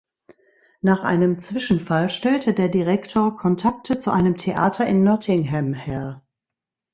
Nach einem Zwischenfall stellte der Direktor Kontakte zu einem Theater in Nottingham her.